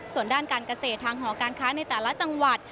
ส่วนด้านการเกษตรทางหอการค้าในแต่ละจังหวัด